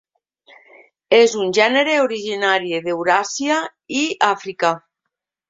És un gènere originari d'Euràsia i Àfrica.